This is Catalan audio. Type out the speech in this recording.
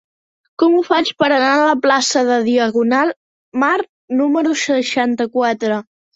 Com ho faig per anar a la plaça de Diagonal Mar número seixanta-quatre?